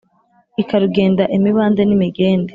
Ikarugenda imibande n'imigende